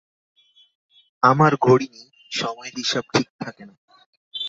আমার ঘড়ি নেই, সময়ের হিসাব ঠিক থাকে না।